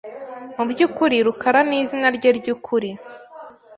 Mubyukuri, rukaranizina rye ryukuri.